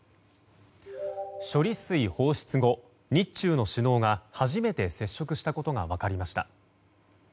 処理水放出後、日中の首脳が初めて接触したことが分かりました。